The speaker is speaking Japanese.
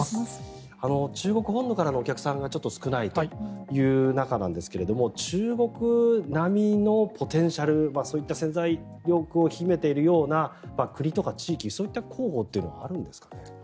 中国本土からのお客さんが少ないという中ですが中国並みのポテンシャルそういった潜在力を秘めているような国とか地域、そういった候補はあるんですか？